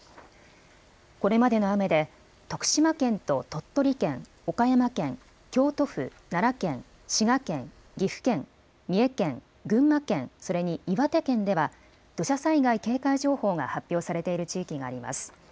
これまでの雨で徳島県と鳥取県、岡山県、京都府、奈良県、滋賀県、岐阜県、三重県、群馬県、それに岩手県では土砂災害警戒情報が発表されている地域があります。